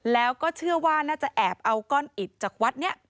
แล้วก็เชื่อว่าน่าจะแอบเอาก้อนอิดจากวัดนี้